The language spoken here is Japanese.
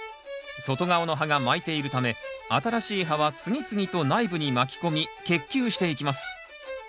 外側の葉が巻いているため新しい葉は次々と内部に巻き込み結球していきます。